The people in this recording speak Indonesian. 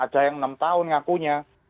ada yang enam tahun ngakunya